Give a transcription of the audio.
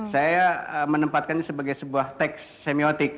saya menempatkannya sebagai sebuah teks semiotik